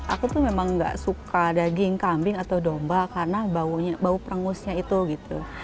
aku tuh memang gak suka daging kambing atau domba karena bau prengusnya itu gitu